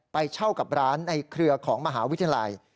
ไปเช่ากับร้านในเครือของมหาวิทยาลัย